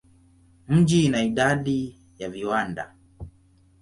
Mji ina idadi ya viwanda.